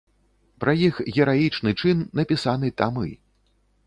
Пра іх гераічны чын напісаны тамы.